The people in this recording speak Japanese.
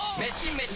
メシ！